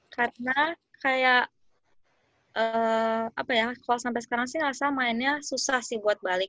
karena kayak apa ya kalo sampe sekarang sih gak usah mainnya susah sih buat balik